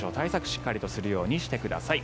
しっかりするようにしてください。